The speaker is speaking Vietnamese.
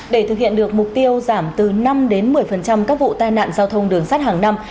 để thực hiện được mục tiêu giảm từ năm đến một mươi các vụ tai nạn giao thông đường sắt hàng năm